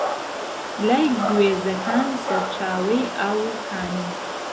لای گوێزهکان سهرچاوهی ئاو و کانی